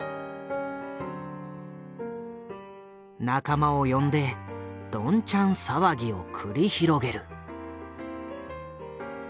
仲間を呼んでどんちゃん騒ぎを繰り広げる。